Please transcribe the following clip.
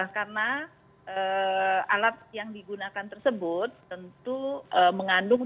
karena alat yang digunakan tersebut tentu mengandung